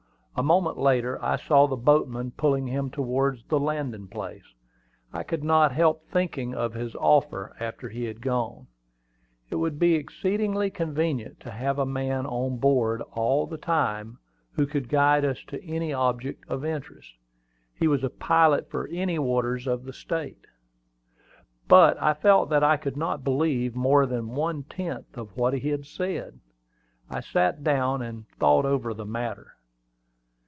A moment later, I saw the boatman pulling him towards the landing place. I could not help thinking of his offer after he had gone. It would be exceedingly convenient to have a man on board all the time who could guide us to any object of interest. He was a pilot for any waters of the State. But I felt that I could not believe more than one tenth of what he had said. I sat down, and thought over the matter.